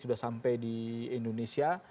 sudah sampai di indonesia